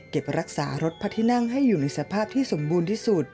รักษารถพระที่นั่งให้อยู่ในสภาพที่สมบูรณ์ที่สุด